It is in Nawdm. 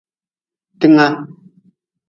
Tinga.